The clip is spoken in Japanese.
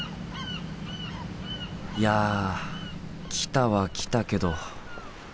いや来たは来たけど。